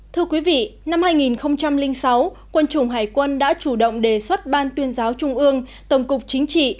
thưa quý vị năm hai nghìn sáu quân chủng hải quân đã chủ động đề xuất ban tuyên giáo trung ương tổng cục chính trị